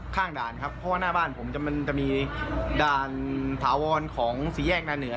ข้างด่านครับเพราะว่าหน้าบ้านผมจะมันจะมีด่านถาวรของสี่แยกนาเหนือ